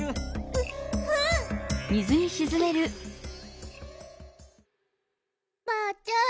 ううん！ばあちゃん